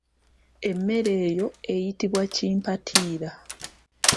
Emmere eyo eyitibwa kimpatiira.